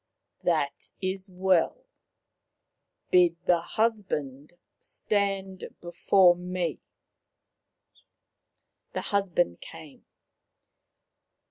" That is well. Bid the husband stand before me." The husband came.